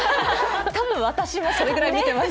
多分、私もそれぐらい見てます。